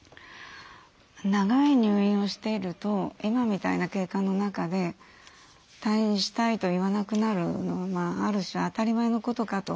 長い入院をしていると今みたいな経過の中で退院したいと言わなくなるのもある種、当たり前のことかなと。